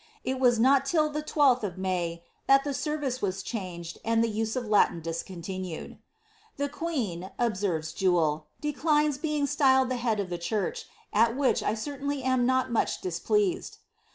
It was not till the 12th of May, that the service was changed, and the use of Latin discontinued. ^The queen,'' observes Jewel, ^^ declines being styled the head of the church, at which 1 certainly am not much displeased."